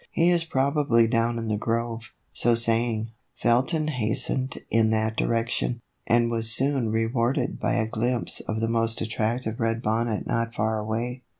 He is probably down in the grove." So saying, Felton hastened in that direction, and was soon rewarded by a glimpse of the most attractive red bonnet not far away.